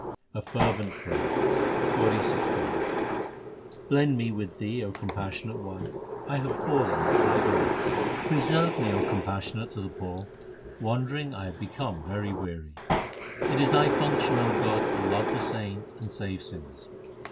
A fervent prayer : PAURI XVI Blend me with Thee, Compassionate One ; I have fallen at Thy door. 380 THE SIKH RELIGION Preserve me, O Compassionate to the poor ; wandering I have become very weary. It is Thy function. O God, to love the saints and save sinners.